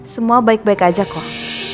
semua baik baik aja kok